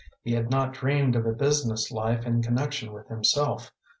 He had not dreamed of a business life in connection with himself.